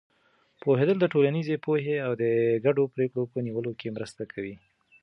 پوهېدل د ټولنیزې پوهې او د ګډو پرېکړو په نیولو کې مرسته کوي.